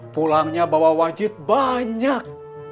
pulangnya bawa wajit banyak